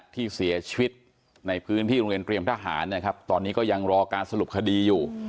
ที่เสียชีวิตในพื้นที่โรงเรียนเตรียมทหารนะครับตอนนี้ก็ยังรอการสรุปคดีอยู่